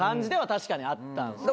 確かにあったんですけど。